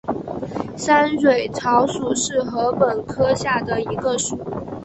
三蕊草属是禾本科下的一个属。